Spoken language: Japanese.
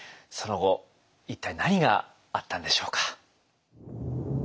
その後一体何があったんでしょうか。